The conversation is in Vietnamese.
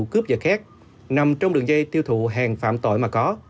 các dụ cướp vật khác nằm trong đường dây tiêu thụ hàng phạm tội mà có